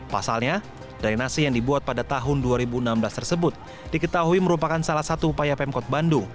pasalnya drainasi yang dibuat pada tahun dua ribu enam belas tersebut diketahui merupakan salah satu upaya pemkot bandung